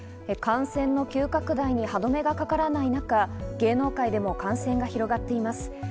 感染の急拡大に歯止めがかからない中、芸能界でも感染が広がっています。